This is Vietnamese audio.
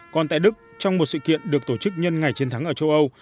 còn tại đức trong một sự kiện được tổ chức nhân ngày chiến thắng ở châu âu